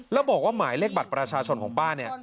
แล้วบอกว่าหมายเลขบัตรประชาชนของป้าเนี่ย